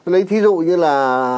lấy ví dụ như là